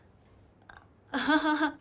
アハハハ。